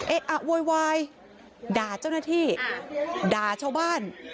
อะโวยวายด่าเจ้าหน้าที่ด่าชาวบ้าน